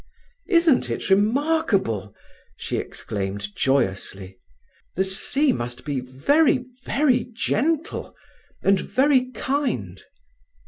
"Isn't it remarkable!" she exclaimed joyously. "The sea must be very, very gentle—and very kind."